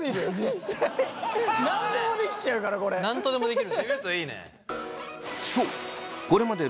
なんとでもできる。